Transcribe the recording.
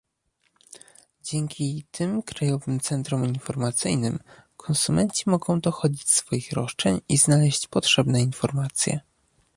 Dzięki tym krajowym centrom informacyjnym konsumenci mogą dochodzić swoich roszczeń i znaleźć potrzebne informacje